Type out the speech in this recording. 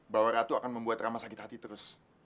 bahwa ratu akan membuat ramah sakit hati terus